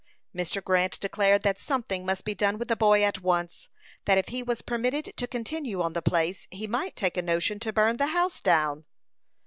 Mr. Grant declared that something must be done with the boy at once; that if he was permitted to continue on the place, he might take a notion to burn the house down.